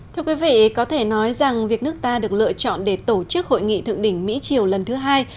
thưa quý vị có thể nói rằng việc nước ta được lựa chọn để tổ chức hội nghị thượng đỉnh mỹ triều lần thứ hai